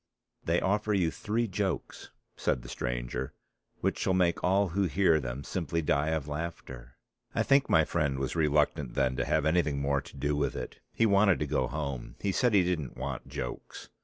"They offer you three jokes," said the stranger, "which shall make all who hear them simply die of laughter." I think my friend was reluctant then to have anything more to do with it, he wanted to go home; he said he didn't want jokes.